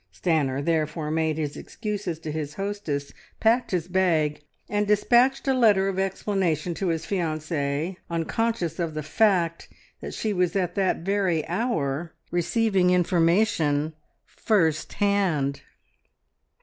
Stanor therefore made his excuses to his hostess, packed his bag, and dispatched a letter of explanation to his fiancee, unconscious of the fact that she was at that very hour receiving information first hand.